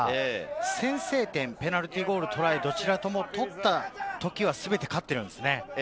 先制点、ペナルティーゴール、トライ、どちらも取った時は全て勝っているんです。